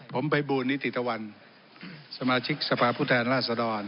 ผมไปบูรณ์นิติธวรรณสมาชิกสภาพุทธแหล่งราชดร